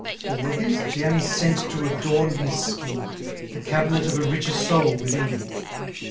Or were these gems sent to adorn his skin, The cabinet of a richer soul within?